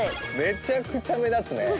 めちゃくちゃ目立つね